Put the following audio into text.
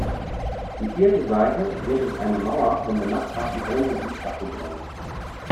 Die vierte Seite wird durch eine Mauer vom benachbarten Wohngebiet abgegrenzt.